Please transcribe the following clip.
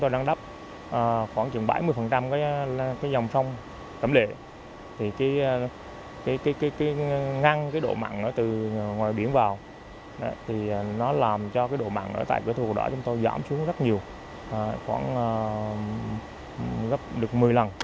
tại quỹ thuộc cầu đỏ chúng tôi giảm xuống rất nhiều khoảng gấp được một mươi lần